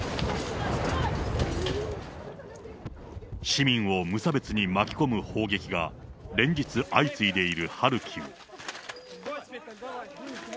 市民を無差別に巻き込む砲撃が、連日相次いでいるハルキウ。